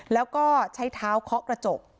แล้วก็ใช้เท้าเคาะกระจก